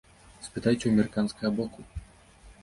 Спытайце ў амерыканскага боку.